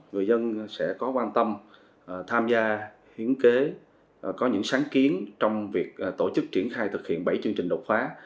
người dân sẽ có quan tâm tham gia hiến kế có những sáng kiến trong việc tổ chức triển khai thực hiện bảy chương trình đột phá